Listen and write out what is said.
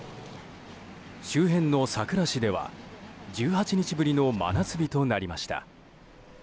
周辺の佐倉市では、１８日ぶりの真夏日となりました。